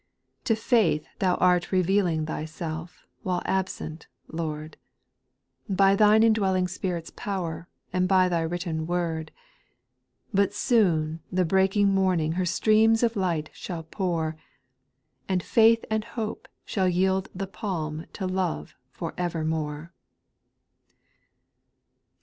r 6. To faith Thou art revealing Thyself, while absent. Lord, By Thine indwelling Spirit's power, and by Thy written word. But soon the breaking morning her streams of light shall pour, And faith and hope shall yield the palm to love for evermore.